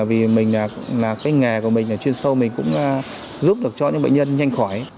vì cái nghề của mình chuyên sâu của mình cũng giúp được cho những bệnh nhân nhanh khỏi